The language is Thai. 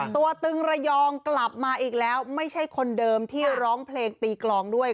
ตึงระยองกลับมาอีกแล้วไม่ใช่คนเดิมที่ร้องเพลงตีกลองด้วย